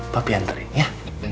papi anterin ya